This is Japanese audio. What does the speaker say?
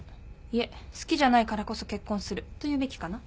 いえ好きじゃないからこそ結婚すると言うべきかな。